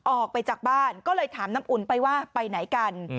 ออกไปจากบ้านก็เลยถามน้ำอุ่นไปว่าไปไหนกัน